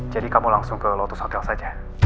jadi kamu langsung ke lotus hotel saja